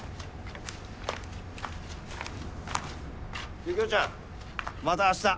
ユキオちゃんまた明日。